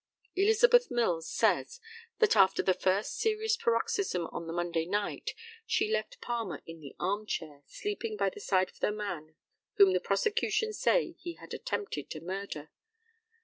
Elizabeth Mills says, that after the first serious paroxysm on the Monday night she left Palmer in the arm chair, sleeping by the side of the man whom the prosecution say he had attempted to murder.